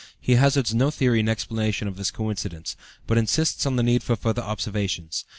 He hazards no theory in explanation of this coincidence, but insists on the need for further observations.